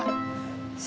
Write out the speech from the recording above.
udah apa sih